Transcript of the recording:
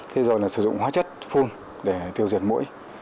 thế rồi là sử dụng hóa chất phun để tiêu diệt mũi